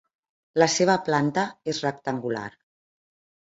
La seva planta és rectangular.